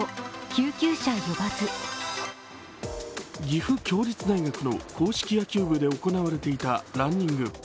岐阜協立大学の硬式野球部で行われていたランニング。